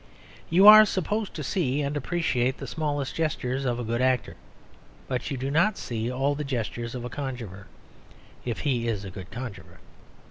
You are supposed to see and appreciate the smallest gestures of a good actor; but you do not see all the gestures of a conjuror, if he is a good conjuror.